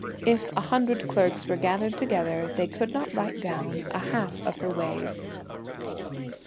If a hundred clerks were gathered together, They could not write down a half of her ways.'